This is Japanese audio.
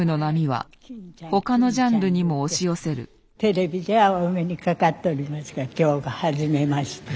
テレビじゃお目にかかっておりますが今日がはじめまして。